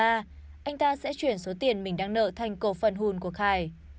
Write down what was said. anh ta sẽ chuyển số tiền mình đang nợ thành cổ phần hùn của khải